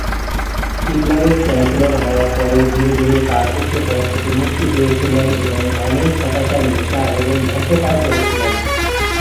হিটলারের চ্যান্সেলর হওয়ার পরে ধীরে ধীরে তাঁর উচ্চ পদ থেকে মুক্তি পেয়েছিলেন এবং অনেক হতাশার নেশা এবং মদ্যপায় পড়েছিলেন।